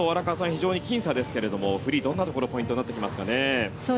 非常にきん差ですけれどもフリーはどんなところがポイントになってきますかね？